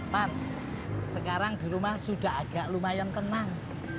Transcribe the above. pan sekarang di rumah sudah agak lumayan tenang